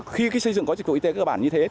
khi cái xây dựng có dịch vụ y tế cơ bản như thế